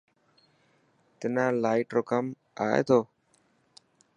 تنا لائٽ رو ڪم آڻي تو.